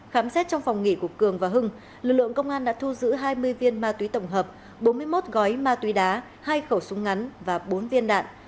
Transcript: khám xét trong phòng nghỉ của cường và hưng lực lượng công an đã thu giữ hai mươi viên ma túy tổng hợp bốn mươi một gói ma túy đá hai khẩu súng ngắn và bốn viên đạn